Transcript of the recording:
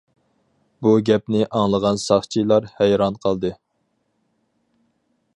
بۇ گەپنى ئاڭلىغان ساقچىلار ھەيران قالدى.